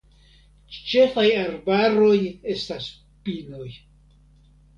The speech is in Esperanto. Ĉefaj arbaroj estas pinoj.